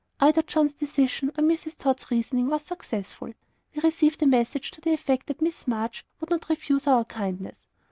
Either John's decision, or Mrs. Tod's reasoning, was successful; we received a message to the effect that Miss March would not refuse our "kindness."